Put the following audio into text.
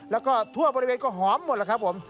แล้วก็ทั่วบริเวณก็หอมหมดแล้วครับผม